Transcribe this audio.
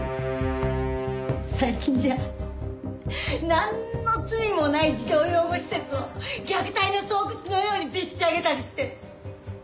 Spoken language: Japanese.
最近じゃなんの罪もない児童養護施設を虐待の巣窟のようにでっち上げたりして。